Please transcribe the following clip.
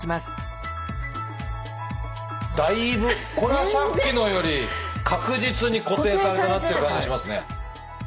だいぶこれはさっきのより確実に固定されたなっていう感じがしますね。